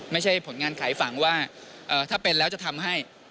ไม่ใช่ผลงานขายฝั่งว่าถ้าเป็นแล้วจะทำให้